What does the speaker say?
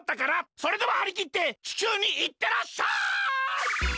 それでははりきって地球にいってらっしゃい！